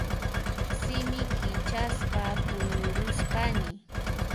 Simi kichasqa puñurusqani.